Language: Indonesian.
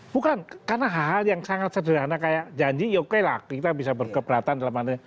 bukan karena hal hal yang sangat sederhana kayak janji ya oke lah kita bisa berkeberatan dalam hal ini